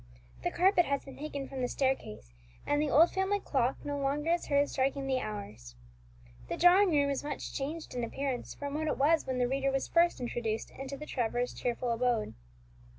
The carpet has been taken from the staircase, and the old family clock no longer is heard striking the hours. The drawing room is much changed in appearance from what it was when the reader was first introduced into the Trevors' cheerful abode.